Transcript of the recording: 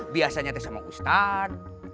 biasanya tersama ustad